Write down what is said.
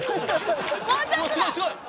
「すごいすごい！」